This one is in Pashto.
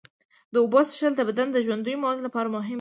د اوبو څښل د بدن د ژوندیو موادو لپاره مهم دي.